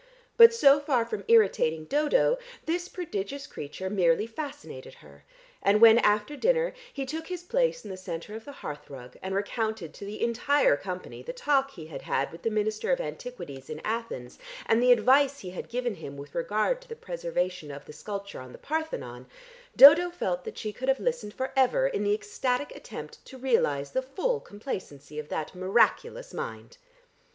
But so far from irritating Dodo, this prodigious creature merely fascinated her, and when after dinner he took his place in the centre of the hearthrug, and recounted to the entire company the talk he had had with the Minister of Antiquities in Athens, and the advice he had given him with regard to the preservation of the sculpture on the Parthenon, Dodo felt that she could have listened for ever in the ecstatic attempt to realise the full complacency of that miraculous mind.